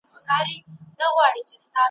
مست لکه رباب سمه، بنګ سمه، شراب سمه `